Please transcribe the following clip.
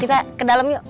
kita ke dalam yuk